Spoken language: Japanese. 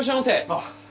あっ。